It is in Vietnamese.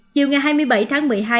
chiều ngày hai mươi bảy tháng một mươi hai